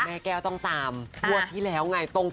แม่แก้วต้องตามบัวที่แล้วไงตรงเลย